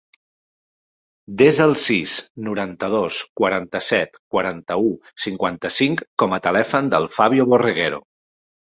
Desa el sis, noranta-dos, quaranta-set, quaranta-u, cinquanta-cinc com a telèfon del Fabio Borreguero.